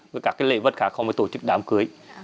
với các lễ vật khác không mới tổ chức đám cưới